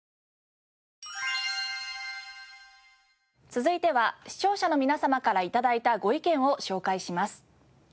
続いては視聴者の皆様から頂いたご意見を紹介します。